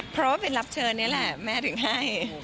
เพราะว่าเป็นรับเชิญนี่แหละแม่ถึงให้